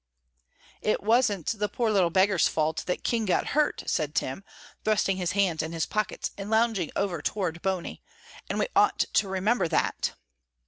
"It wasn't the poor little beggar's fault that King got hurt," said Tim, thrusting his hands in his pockets and lounging over toward Bony, "and we ought to remember that."